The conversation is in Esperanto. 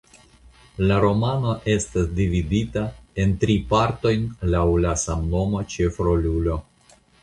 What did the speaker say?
La romano estas dividita en tri partojn laŭ la samnoma ĉefrolulo.